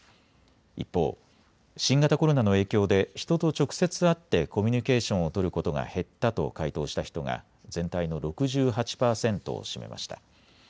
一方、新型コロナの影響で人と直接会ってコミュニケーションを取ることが減ったと回答した人が全体の６８％を占めました。